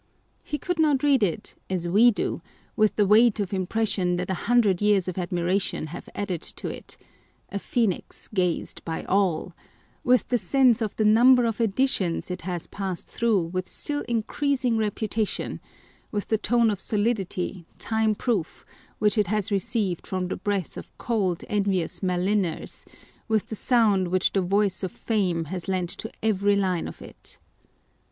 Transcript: He could not read it, as we do, with the weight of impression that a hundred years of admiration have added to it â€" "a phoenix gazed by all " â€" with the sense of the number of editions it has passed through with still increasing repu tation, with the tone of solidity, time proof, which it has received from the breath of cold, envious maligners, with the sound which the voice of Fame has lent to every lino of it